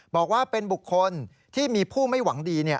บอกว่าเป็นบุคคลที่มีผู้ไม่หวังดี